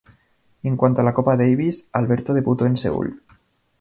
En cuanto a la Copa Davis, Alberto debutó en Seúl.